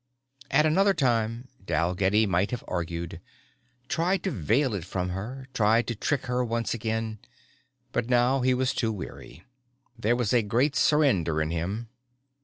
At another time Dalgetty might have argued, tried to veil it from her, tried to trick her once again. But now he was too weary. There was a great surrender in him.